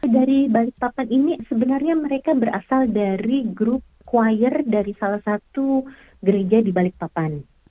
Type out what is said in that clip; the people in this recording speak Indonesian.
dari balikpapan ini sebenarnya mereka berasal dari grup choir dari salah satu gereja di balikpapan